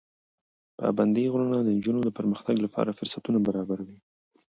پابندي غرونه د نجونو د پرمختګ لپاره فرصتونه برابروي.